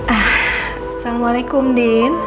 ah assalamualaikum din